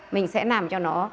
mình sẽ nằm cho nó